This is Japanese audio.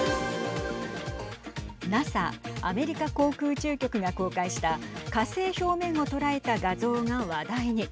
ＮＡＳＡ＝アメリカ航空宇宙局が公開した火星表面を捉えた画像が話題に。